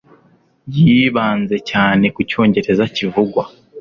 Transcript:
Yibanze cyane ku Cyongereza kivugwa.